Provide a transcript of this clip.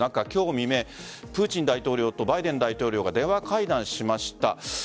今日未明プーチン大統領とバイデン大統領が電話会談しました。